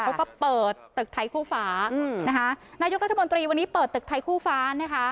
เขาก็เปิดตึกไทยคู่ฟ้านะคะนายกรัฐมนตรีวันนี้เปิดตึกไทยคู่ฟ้านะคะ